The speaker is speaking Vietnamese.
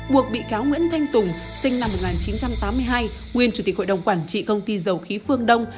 buộc bị cáo nguyễn thanh tùng sinh năm một nghìn chín trăm tám mươi hai nguyên chủ tịch hội đồng quản trị công ty dầu khí phương đông